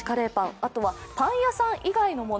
あとは、パン屋さん以外のもの。